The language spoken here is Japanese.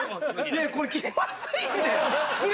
これ気まずいって。